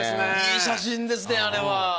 いい写真ですねあれは。